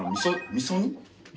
みそ煮。